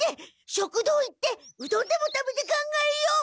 食堂行ってうどんでも食べて考えよ。